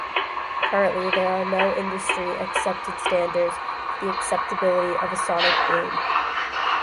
Currently there are no industry accepted standards for the acceptability of a sonic boom.